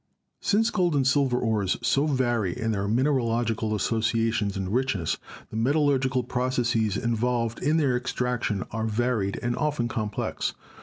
Since gold and silver ores so vary in their mineralogi cal associations and richness, the metallurgical processes involved in their extraction are varied and often complex.